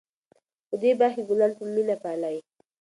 په دې باغ کې ګلان په مینه پالي.